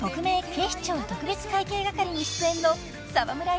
警視庁特別会計係』に出演の沢村一樹さん。